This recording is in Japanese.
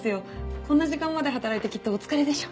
こんな時間まで働いてきっとお疲れでしょ。